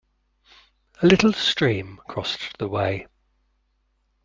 A little stream crossed the way.